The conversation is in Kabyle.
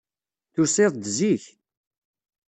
Tusiḍ-d zik.